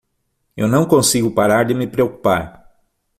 Eu não consigo parar de me preocupar.